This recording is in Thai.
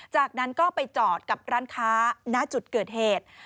จากนั้นก็ไปจอดกับร้านค้าณจุดเกิดเหตุ